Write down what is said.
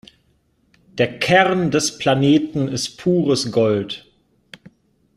Der Kern des Planeten ist pures Gold.